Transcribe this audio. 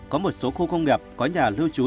có một số khu công nghiệp có nhà lưu trú